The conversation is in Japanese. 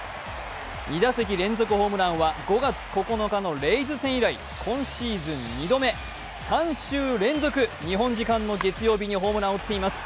２打席連続ホームランは５月９日のレイズ戦以来今シーズン２度目、３週連続、日本時間の月曜日にホームランを打っています。